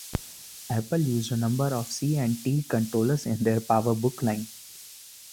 Apple used a number of C and T controllers in their PowerBook line.